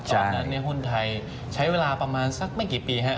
ตอนนั้นเนี้ยหุ้นไทยใช้เวลาประมาณสักไม่กี่ปีครับ